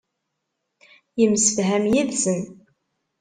Yemsefham yid-sen.